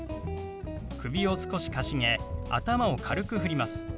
首を少しかしげ頭を軽くふります。